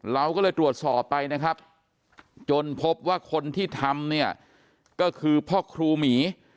เราก็เลยตรวจสอบไปนะครับจนพบว่าคนที่ทำเนี่ยก็คือพ่อครูหมี